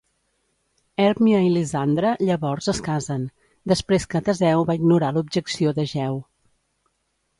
Hèrmia i Lisandre llavors es casen, després que Teseu va ignorar l'objecció d'Egeu.